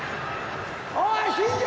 おい新庄！